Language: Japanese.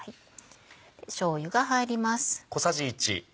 しょうゆが入ります。